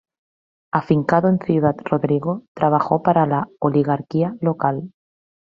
Afincado en Ciudad Rodrigo trabajó para la oligarquía local.